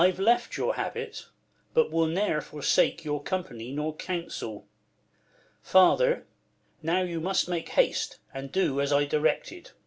I've left your habit, but will ne'er forsake Your company nor counsel. Father, now You must make haste, and do as I directed.